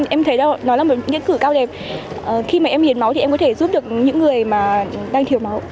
em thấy đâu nó là một nghĩa cử cao đẹp khi mà em hiến máu thì em có thể giúp được những người mà đang thiếu máu